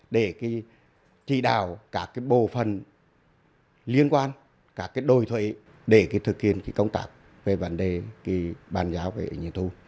để trị đạo các cái bộ phần liên quan các cái đôi thuế để thực hiện công tác về vấn đề bàn giáo về nhiện thu